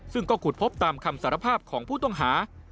ซึ่งก็ขุดพบตามคำสารภาพของผู้ต้องหา